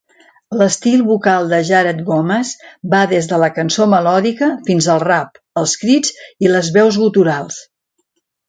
L"estil vocal de Jared Gomes va des de la cançó melòdica fins al rap, els crits i les veus guturals.